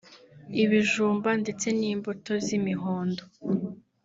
ibijumba ndetse n’imbuto z’imihondo